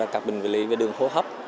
các bệnh lý về đường hô hấp